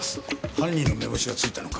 犯人の目星はついたのか？